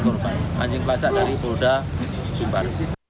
pencarian korban anjing placak dari boda jum at